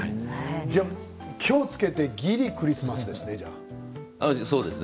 きょうつけてぎり、クリスマスですね。